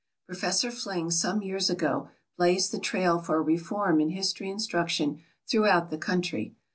Professor Fling some years ago blazed the trail for a reform in history instruction throughout the country.